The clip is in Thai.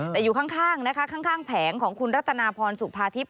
แต่อยู่ข้างแผงของคุณรัตนาพรสุพาทิพย์